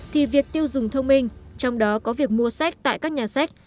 thì việc tiêu dùng thông minh trong đó có việc mua sách tại các nhà sách